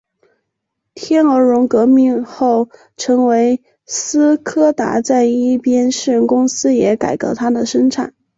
天鹅绒革命后成为斯柯达在一边私人公司也改革它的生产。